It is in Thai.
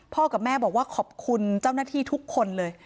กับแม่บอกว่าขอบคุณเจ้าหน้าที่ทุกคนเลย